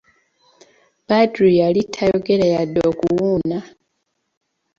Badru yali tayogera wadde okuwuuna!